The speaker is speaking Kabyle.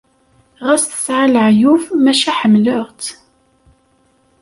Ɣas tesɛa leɛyub, maca ḥemmleɣ-tt.